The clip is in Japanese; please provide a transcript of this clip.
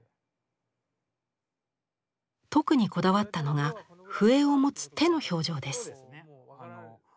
特にこだわったのが笛を持つ手の表情です。